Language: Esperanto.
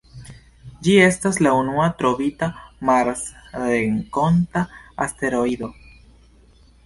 Ĝi estas la unua trovita marsrenkonta asteroido.